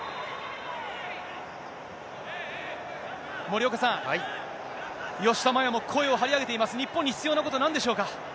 森岡さん、吉田麻也も声を張り上げています、日本に必要なこと、なんでしょうか。